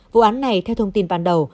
vụ án này theo thông tin ban đầu